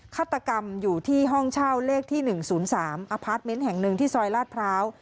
ฆาตกรรมอยู่ที่ห้องเช่าเลขที่หนึ่งศูนย์สามแห่งหนึ่งที่ซอยลาดพร้าว